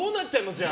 じゃあ。